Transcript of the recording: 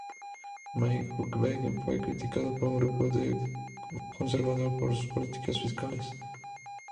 Mike Huckabee fue criticado por un grupo conservador por sus políticas fiscales.